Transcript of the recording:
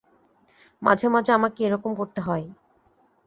মাঝে-মাঝে আমাকে এ রকম করতে হয়।